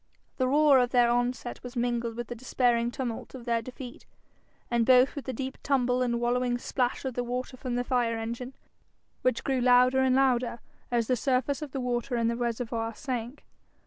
The roar of their onset was mingled with the despairing tumult of their defeat, and both with the deep tumble and wallowing splash of the water from the fire engine, which grew louder and louder as the surface of the water in the reservoir sank.